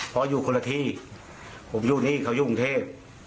เพราะอยู่คนละที่ผมอยู่นี่เขาอยู่กรุงเทพ